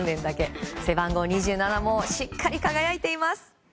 背番号２７もしっかり輝いています。